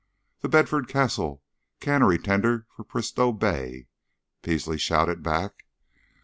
"The Bedford Castle, cannery tender for Bristol Bay," Peasley shouted back.